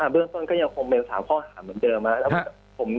เบื้องต้นก็ยังคงเป็น๓ข้อหาเหมือนเดิมนะครับ